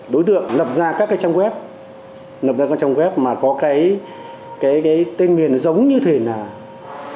đối tượng lập ra các trang web lập ra các trang web mà có cái tên miền giống như thế nào